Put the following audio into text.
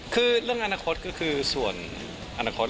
คือเรื่องอนาคตก็คือส่วนอนาคต